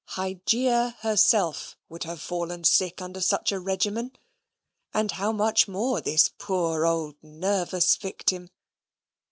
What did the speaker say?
Hygeia herself would have fallen sick under such a regimen; and how much more this poor old nervous victim?